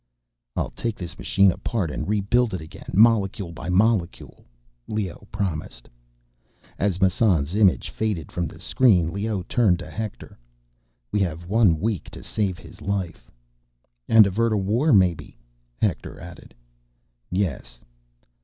"I'll take this machine apart and rebuild it again, molecule by molecule," Leoh promised. As Massan's image faded from the screen, Leoh turned to Hector. "We have one week to save his life." "And avert a war, maybe," Hector added. "Yes."